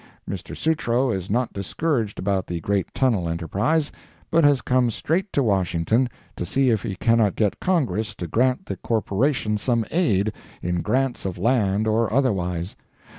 Mr. Sutro is not discouraged about the great tunnel enterprise, but has come straight to Washington to see if he cannot get Congress to grant the corporation some aid, in grants of land or otherwise.